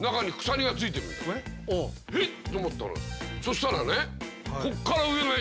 そしたらねえ？